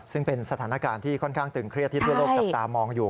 ซึ่งเป็นสถานการณ์ที่ค่อนข้างตึงเครียดที่ทั่วโลกจับตามองอยู่